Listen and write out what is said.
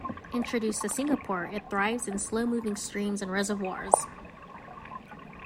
Introduced to Singapore, it thrives in slow-moving streams and reservoirs.